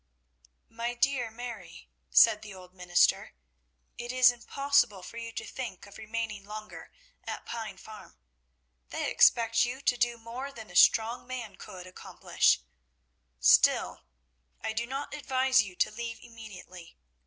"My dear Mary," said the old minister, "it is impossible for you to think of remaining longer at Pine Farm. They expect you to do more than a strong man could accomplish. Still, I do not advise you to leave immediately.